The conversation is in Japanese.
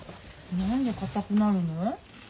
何でかたくなるの？